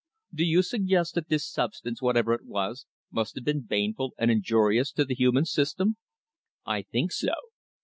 "Do you suggest that this substance, whatever it was, must have been baneful and injurious to the human system?" "I think so.